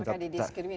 maka didiskriminasi lah